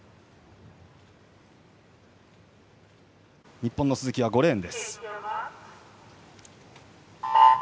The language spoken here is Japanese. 日本の鈴木は５レーン。